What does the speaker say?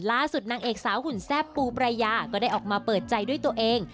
นางเอกสาวหุ่นแซ่บปูปรายาก็ได้ออกมาเปิดใจด้วยตัวเอง